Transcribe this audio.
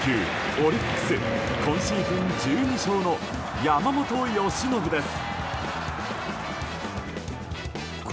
オリックス今シーズン１２勝の山本由伸です。